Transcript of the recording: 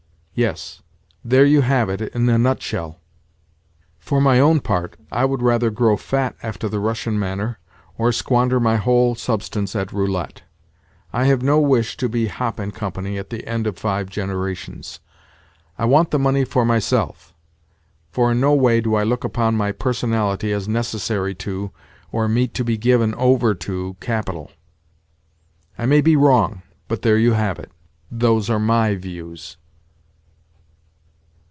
Yes, there you have it in a nutshell. For my own part, I would rather grow fat after the Russian manner, or squander my whole substance at roulette. I have no wish to be 'Hoppe and Company' at the end of five generations. I want the money for myself, for in no way do I look upon my personality as necessary to, or meet to be given over to, capital. I may be wrong, but there you have it. Those are my views."